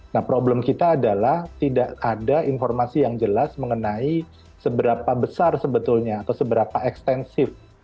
nah problem kita adalah tidak ada informasi yang jelas mengenai seberapa besar sebetulnya atau seberapa ekstensif